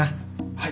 はい。